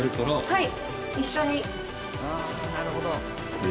はい。